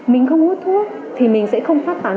mình không hút thuốc thì mình sẽ không phát tán